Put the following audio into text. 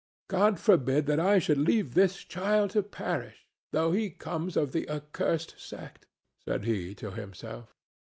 "God forbid that I should leave this child to perish, though he comes of the accursed sect," said he to himself.